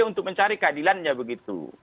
untuk mencari keadilannya begitu